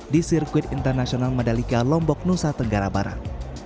di sirkuit internasional madalika lombok nusa tenggara barat